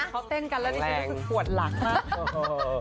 เขาเต้นกันแล้วดิฉันรู้สึกปวดหลังมาก